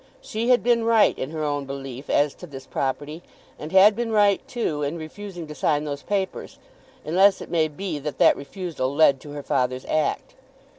She had been right in her own belief as to this property, and had been right, too, in refusing to sign those papers, unless it may be that that refusal led to her father's act.